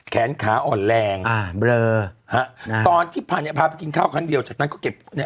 แขนขาอ่อนแรงตอนที่พาไปกินข้าวครั้งเดียวจากนั้นก็เก็บ